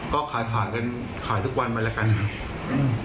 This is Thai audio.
ก็ขายขายกันขายทุกวันมาแล้วกันครับ